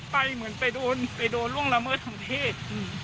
เหมือนไปโดนไปโดนล่วงละเมิดทางเพศ